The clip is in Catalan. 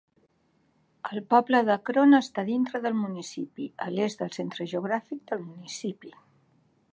El poble d"Akron està dintre del municipi, a l"est del centre geogràfic del municipi.